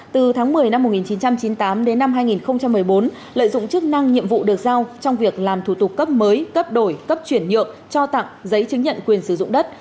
từ tháng một mươi năm một nghìn chín trăm chín mươi tám đến năm hai nghìn một mươi bốn lợi dụng chức năng nhiệm vụ được giao trong việc làm thủ tục cấp mới cấp đổi cấp chuyển nhượng cho tặng giấy chứng nhận quyền sử dụng đất